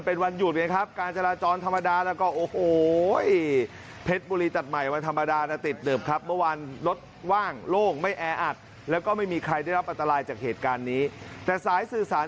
เพราะฉะนั้นเมื่อวานี้มันเป็นวันหยุดไงครับ